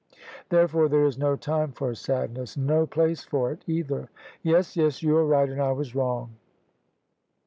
Therefore there is no time for sadness, and no place for it either." "Yes, yes: you are right and I was wrong.